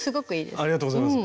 ありがとうございます。